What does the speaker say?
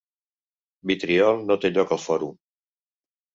Vitriol no té lloc al fòrum.